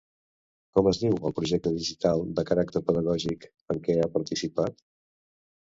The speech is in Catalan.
Com es diu el projecte digital de caràcter pedagògic en què ha participat?